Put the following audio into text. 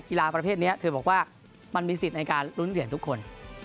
กีฬาประเภทนี้เธอบอกว่ามันมีสิทธิ์ในการลุ้นเหรียญทุกคน